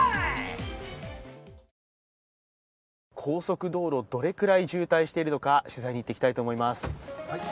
高速道路、どれくらい渋滞しているのか取材に行こうと思います。